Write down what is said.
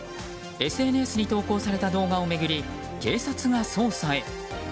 ＳＮＳに投稿された動画を巡り警察が捜査へ。